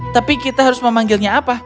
tapi kita harus memanggilnya apa